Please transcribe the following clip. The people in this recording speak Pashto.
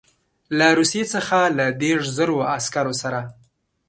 له روسیې څخه له دېرشو زرو عسکرو سره.